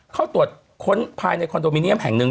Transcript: เข้าตรวจค้นภายในคอนโดมิเนียมแห่งหนึ่ง